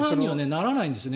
ならないんですね